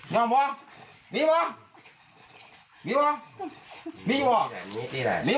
เจ้ามีหลายมันเจ้ามี